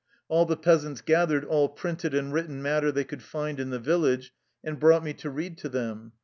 All the peasants gathered all printed and written matter they could find in the village and brought me to read to them.